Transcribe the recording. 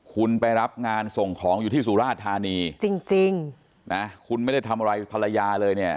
คุณไปรับงานส่งของอยู่ที่สุราธานีจริงนะคุณไม่ได้ทำอะไรภรรยาเลยเนี่ย